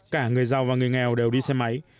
cả người giàu và người nghèo đều đi xe máy